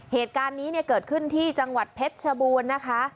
เหตุการณ์นี้เนี่ยเกิดขึ้นที่จังหวัดเพชรชบูรณ์นะคะ